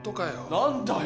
・何だよ。